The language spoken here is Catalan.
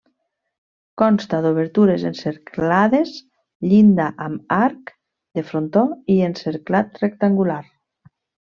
Consta d'obertures encerclades, llinda amb arc de frontó i encerclat rectangular.